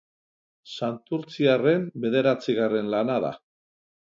Santurtziarren bederatzigarren lana da.